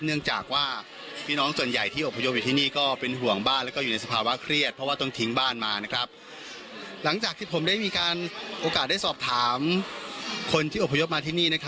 เนื่องจากว่าพี่น้องส่วนใหญ่ที่อพยพอยู่ที่นี่